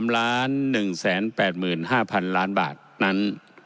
๓ล้าน๑๘๕พันล้านบาทนั้น